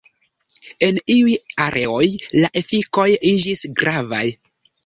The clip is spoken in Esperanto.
En iuj areoj la efikoj iĝis gravaj.